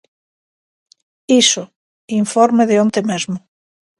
Iso, informe de onte mesmo.